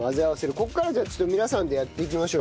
ここからじゃあちょっと皆さんでやっていきましょう。